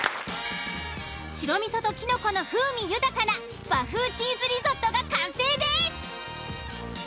白味噌とキノコの風味豊かな和風チーズリゾットが完成です。